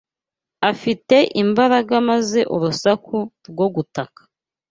afite imbaraga maze urusaku rwo gutaka